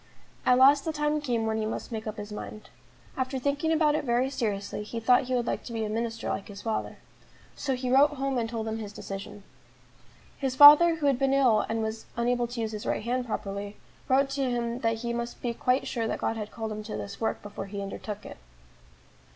At last the time came when he must make up his mind. After thinking about it very seriously, he thought he would like to be a minister like his father. So he wrote home and told them his decision. His father who had been ill and was unable to use his right hand properly, wrote to him that he must be quite sure that God had called him to this work before he undertook it.